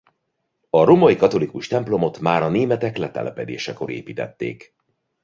A római katolikus templomot már a németek letelepedésekor építették.